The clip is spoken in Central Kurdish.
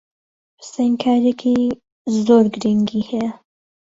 حوسێن کارێکی زۆر گرنگی ھەیە.